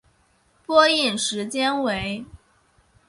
播映时间为。